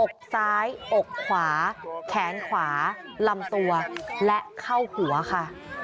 อกซ้ายอกขวาแขนขวาลำตัวและเข้าหัวค่ะ